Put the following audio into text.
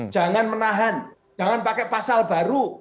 jangan menahan jangan pakai pasal baru